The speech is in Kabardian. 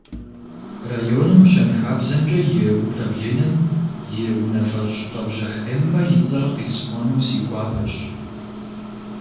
Районым щэнхабзэмкӀэ и управленэм и унафэщӀ Къэбжыхь Эммэ и цӀэр къисӀуэну си гуапэщ.